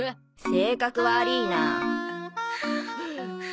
性格悪いな。